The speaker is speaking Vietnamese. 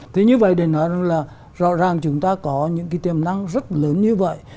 thì như vậy để nói rằng là rõ ràng chúng ta có những cái tiềm năng rất lớn như vậy